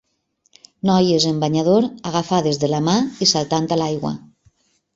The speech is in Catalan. Noies en banyador, agafades de la mà i saltant a l'aigua.